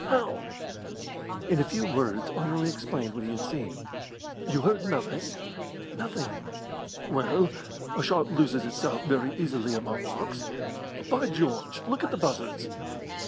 How?" In a few words Anerley explained what he had seen. "You heard nothing?" "Nothing." "Well, a shot loses itself very easily among rocks. By George, look at the buzzards!"